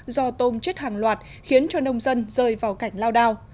do tôm chết hàng loạt khiến cho nông dân rơi vào cảnh lao đao